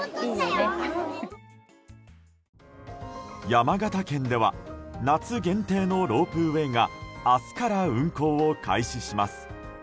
山形県では夏限定のロープウェーが明日から運行を開始します。